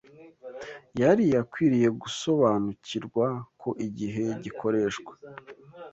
yari akwiriye gusobanukirwa ko igihe gikoreshwa